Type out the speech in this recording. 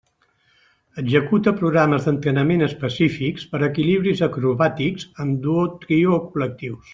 Executa programes d'entrenament específics per equilibris acrobàtics en duo, trio o col·lectius.